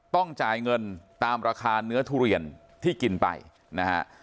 ต้องจ่ายเงินตามราคาเนื้อทุเรียนที่กินไปนะฮะ